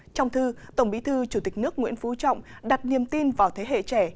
trong thư tổng bí thư chủ tịch nước nguyễn phú trọng đặt niềm tin vào thế hệ trẻ